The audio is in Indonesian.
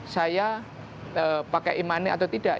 saya pakai e money atau tidak